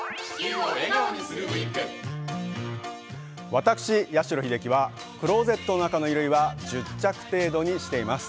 私、八代英輝はクローゼットの中には１０着程度にしています。